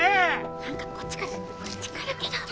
なんかこっち来るこっち来るけど！